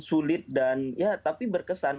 sulit dan ya tapi berkesan